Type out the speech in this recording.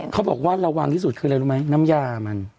เขาบอกว่าระวังที่สุดคืออะไรรู้ไหมน้ำยามัน